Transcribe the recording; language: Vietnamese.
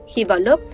khi vào lớp